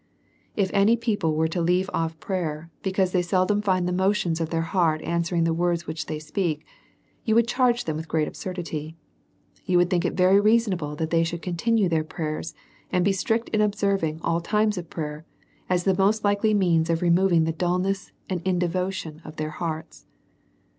If any people were to leave oft' prayer^ because they seldom find the motions of their hearts answering the words winch they speak, you would charge them with great absurdity. You would tliink it very reasonable^ that they shall continue their prayers, and be strict in observing all times of prayer, as the most likely means ^of removing the dulness and indevotion of their hearts.